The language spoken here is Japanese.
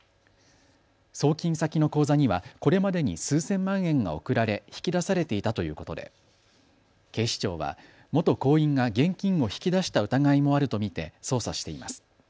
送金先の口座にはこれまでに数千万円が送られ引き出されていたということで警視庁は元行員が現金を引き出した疑いもあると見て捜査しています。